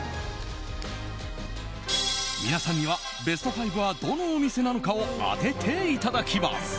皆さんにベスト５はどのお店なのかを当てていただきます。